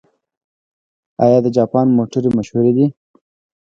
آیا د جاپان موټرې مشهورې دي؟